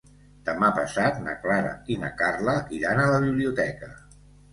Demà passat na Clara i na Carla iran a la biblioteca.